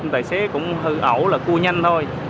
tài xế cũng hư ẩu là cua nhanh thôi